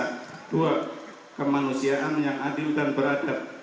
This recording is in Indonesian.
kedua kemanusiaan yang adil dan beradab